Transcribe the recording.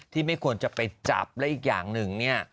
ไม่ควรจะไปจับและอีกอย่างหนึ่งเนี่ย